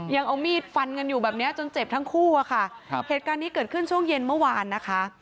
ยังเอามีดฟันกันอยู่แบบเนี้ยจนเจ็บทั้งคู่อะค่ะครับเหตุการณ์นี้เกิดขึ้นช่วงเย็นเมื่อวานนะคะ